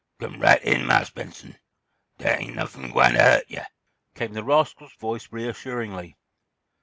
"Come right in, Marse Benson. Dere ain' nuffin' gwineter hu't yo'," came the rascal's voice reassuringly.